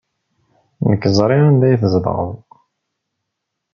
Nekk ẓriɣ anda ay tzedɣed.